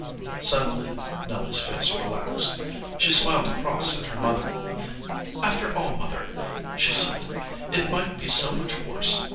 Suddenly Nelly s face relaxed. She smiled across at her mother. "After all, mother," she said, "it might be so much worse.